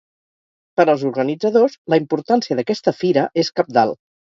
Per als organitzadors, la importància d’aquesta fira és cabdal.